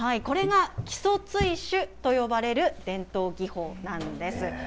これが木曽堆朱と呼ばれる伝統技法なんです。